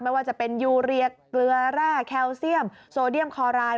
ไม่ว่าจะเป็นยูเรียเกลือแร่แคลเซียมโซเดียมคอราย